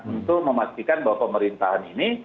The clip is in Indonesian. untuk memastikan bahwa pemerintahan ini